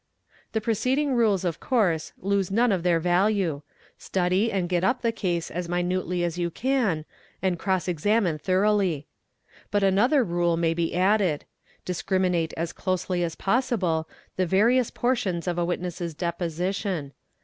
: The preceding rules of course ldse none of their value; study and get up the case as minutely as you can, and cross examine thoroughly. But another rule may be added; discriminate as closely as possible the various portions of a witness's deposition.